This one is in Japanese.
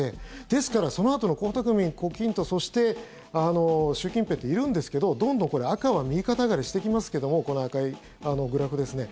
ですからそのあとの江沢民、胡錦涛そして習近平っているんですけどどんどん赤は右肩上がりしていきますけどもこの赤いグラフですね。